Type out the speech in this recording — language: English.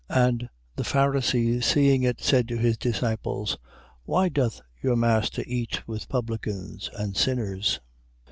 9:11. And the Pharisees seeing it, said to his disciples: Why doth your master eat with publicans and sinners?